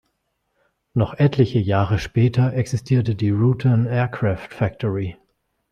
Noch etliche Jahre später existierte die Rutan Aircraft Factory.